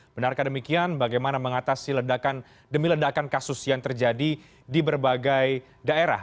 benarkah demikian bagaimana mengatasi demi ledakan kasus yang terjadi di berbagai daerah